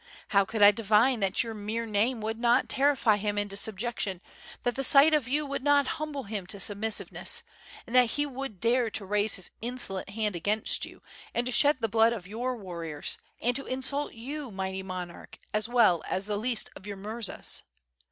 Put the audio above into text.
How could I divine that your mere name w^ould not terrify him into subjection, that the sight of you would not humble him to submissiveness, and that he would dare to raise his insolent hand against jou, and to shed the blood of your warriors, and to insult you, mighty monarch, as well as the least of your murzas?